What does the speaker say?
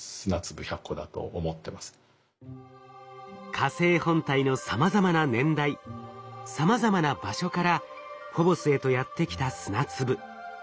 火星本体のさまざまな年代さまざまな場所からフォボスへとやってきた砂粒。